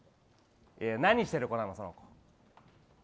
何している子なの、その子。